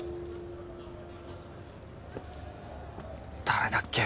誰だっけ？